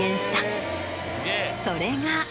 それが。